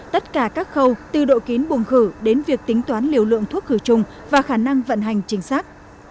tất cả các khâu từ độ kín bùng khử đến việc tính toán liều lượng thuốc khử trùng và khả năng vận hành chính xác